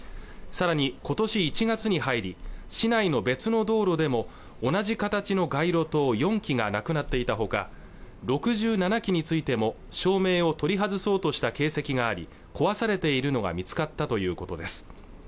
更に今年１月に入り市内の別の道路でも同じ形の街路灯４基がなくなっていたほか６７基についても照明を取り外そうとした形跡があり壊されているのが見つかったということです